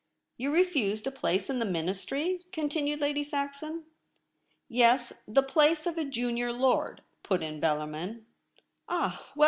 * You refused a place in the Ministry ?' continued Lady Saxon. 'Yes; the place of a Junior Lord,' put in Bellarmin. ' Ah well !